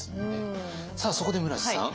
さあそこで村治さん。